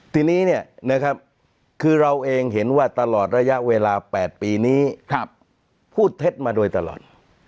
ทีนี้คือเราเองเห็นว่าตลอดระยะเวลา๘ปีนี้พูดเท็จมาโดยตลอด